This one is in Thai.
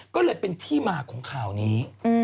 ก็เลยเป็นที่มาของข่าวนี้